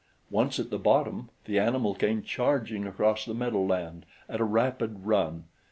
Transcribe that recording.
Once at the bottom, the animal came charging across the meadowland at a rapid run.